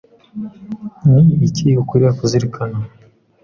Ni iki ukwiriye kuzirikana